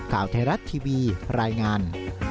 ข่าวไทยรัฐทีวีรายงาน